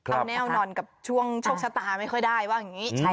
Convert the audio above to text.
เอาแน่นอนกับช่วงโชคชะตาไม่ค่อยได้ว่าอย่างนี้